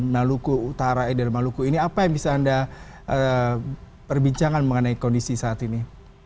maluku utara eder maluku ini apa yang bisa anda perbincangkan mengenai kondisi saat ini